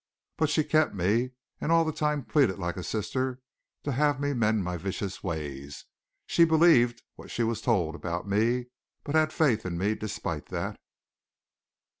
But she kept me and all the time pleaded like a sister to have me mend my vicious ways. She believed what she was told about me, but had faith in me despite that.